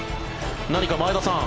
何か前田さん